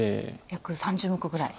約３０目ぐらい。